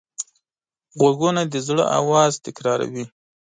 غوږونه د زړه آواز تکراروي